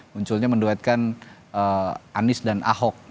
munculnya menduetkan anies dan ahok